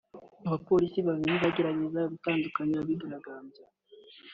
abapolisi babiri bageragezaga gutandukanya abigaragambya